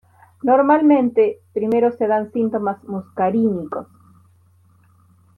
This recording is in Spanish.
Normalmente, primero se dan síntomas muscarínicos.